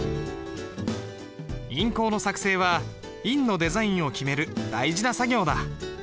印稿の作成は印のデザインを決める大事な作業だ。